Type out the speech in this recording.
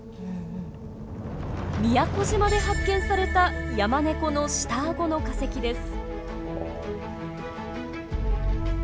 宮古島で発見されたヤマネコの下あごの化石です。